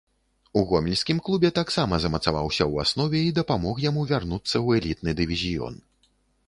У гомельскім клубе таксама замацаваўся ў аснове і дапамог яму вярнуцца ў элітны дывізіён.